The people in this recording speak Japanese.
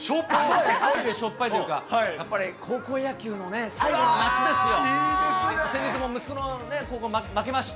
汗でしょっぱいというか、やっぱり高校野球のね、最後の夏ですよ。